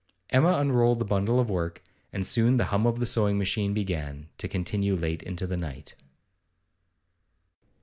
Emma unrolled the bundle of work, and soon the hum of the sewing machine began, to continue late into the night.